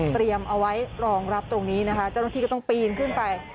เอาไว้รองรับตรงนี้นะคะเจ้าหน้าที่ก็ต้องปีนขึ้นไป